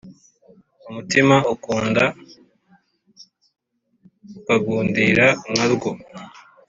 umutima ukunda ukagundira nka rwo,